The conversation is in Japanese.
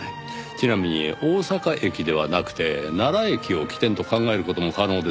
ちなみに大阪駅ではなくて奈良駅を起点と考える事も可能ですねぇ。